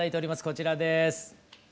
こちらです。